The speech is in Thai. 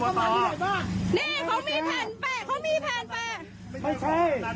อ๋อประจอดอ่ะมึงก็ไม่แปลกอันนี้ถูกต้อง